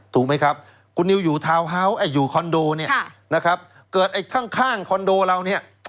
ถูกไหมครับคุณนิวอยู่คอนโดนะครับเกิดไอ้ข้างคอนโดเรา